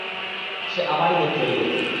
সে আমারই গোত্রের লোক।